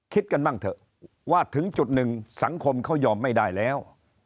คิดกันบ้างเถอะว่าถึงจุดหนึ่งสังคมเขายอมไม่ได้แล้ว